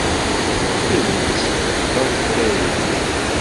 Imi-nsen, d aẓekka yeldin.